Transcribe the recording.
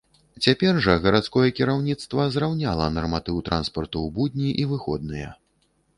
Цяпер жа гарадское кіраўніцтва зраўняла нарматыў транспарту ў будні і выходныя.